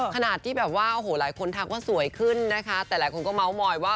ขนาดที่แบบว่าหลายคนทักว่าสวยขึ้นนะคะแต่หลายคนก็เม้ามอยว่า